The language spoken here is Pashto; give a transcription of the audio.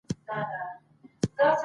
تر هغه وخته به مې نوي کتابونه اخیستي وي.